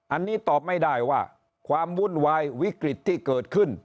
อันนี้ตอบไม่ได้ว่าความวุ่นวายวิกฤตที่เกิดขึ้น